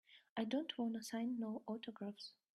I don't wanta sign no autographs.